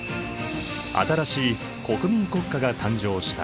新しい国民国家が誕生した。